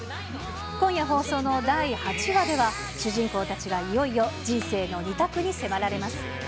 今夜放送の第８話では、主人公たちがいよいよ、人生の２択に迫られます。